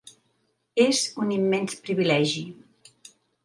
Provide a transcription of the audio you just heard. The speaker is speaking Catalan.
És un immens privilegi.